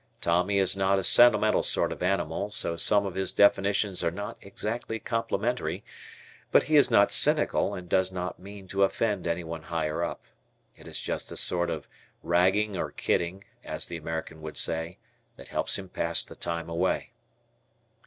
Tommy is not a sentimental sort of animal so some of his definitions are not exactly complimentary, but he is not cynical and does not mean to offend anyone higher up. It is just a sort of "ragging" or "kidding," as the American would say, that helps him pass the time away.